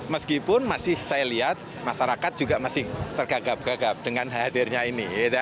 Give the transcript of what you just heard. meskipun masih saya lihat masyarakat juga masih tergagap gagap dengan hadirnya ini